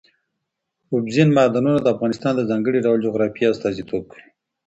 اوبزین معدنونه د افغانستان د ځانګړي ډول جغرافیه استازیتوب کوي.